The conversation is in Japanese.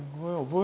え？